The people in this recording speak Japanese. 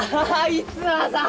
逸馬さん！